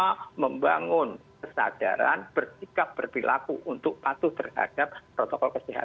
kita membangun kesadaran bersikap berperilaku untuk patuh terhadap protokol kesehatan